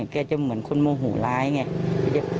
แกจะเหมือนคนโมโหร้ายไง